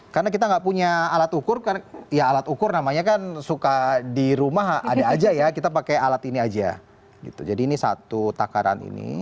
karena kita nggak punya alat ukur ya alat ukur namanya kan suka di rumah ada aja ya kita pakai alat ini aja gitu jadi ini satu takaran ini